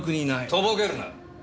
とぼけるな！